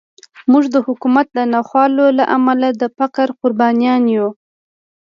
موږ د حکومت د ناخوالو له امله د فقر قربانیان یو.